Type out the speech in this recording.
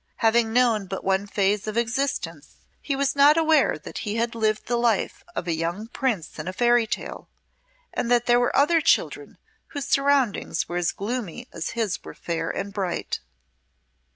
Having known but one phase of existence, he was not aware that he had lived the life of a young prince in a fairy tale, and that there were other children whose surroundings were as gloomy as his were fair and bright.